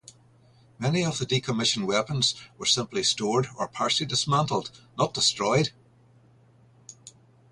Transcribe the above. Many of the decommissioned weapons were simply stored or partially dismantled, not destroyed.